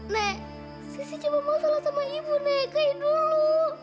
nek sisi cuma mau sholat sama ibu nek kayak dulu